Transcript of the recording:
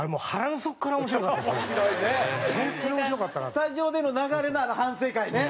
スタジオでの流れのあの反省会ね。